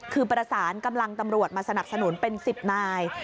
คือประสานกำลังตำรวจมาสนับสนุนเป็น๑๐นาย